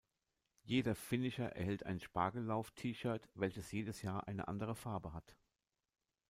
Jeder Finisher erhält ein Spargellauf-T-Shirt, welches jedes Jahr eine andere Farbe hat.